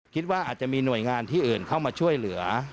คิดว่าอาจจะมีหน่วยงานที่อื่นเข้ามาช่วยเหลือ